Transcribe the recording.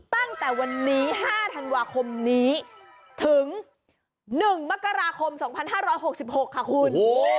ตั้งแต่วันนี้๕ธันวาคมนี้ถึง๑มกราคม๒๕๖๖ค่ะคุณ